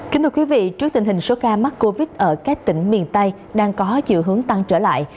kính thưa quý vị trước tình hình số ca mắc covid ở các tỉnh miền tây đang có chiều hướng tăng trở lại